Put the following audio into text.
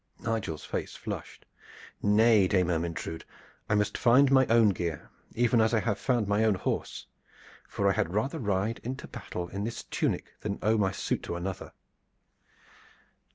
Nigel's fair face flushed. "Nay, Dame Ermyntrude, I must find my own gear, even as I have found my own horse, for I had rather ride into battle in this tunic than owe my suit to another."